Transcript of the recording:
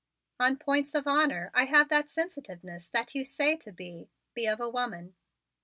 "On points of honor I have that sensitiveness that you say to be be of a woman."